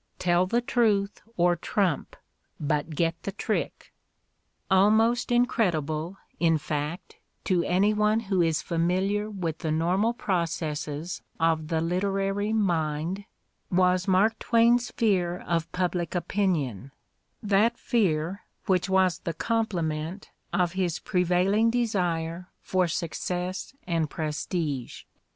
'' Tell the truth or trump — ^but get the trick! Almost incredible, in fact, to any one who is familiar Let Somebody Else Begin 237 with the normal processes of the literary mind, was Mark Twain's fear of public opinion, that fear which was the complement of his prevailing desire for success and prestige.